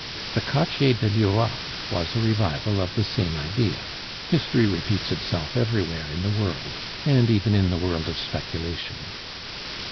The Quartier de l'Europe was a revival of the same idea; history repeats itself everywhere in the world, and even in the world of speculation.